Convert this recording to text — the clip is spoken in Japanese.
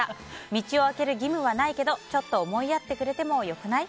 道を空ける義務はないけどちょっと思いやってくれても良くない？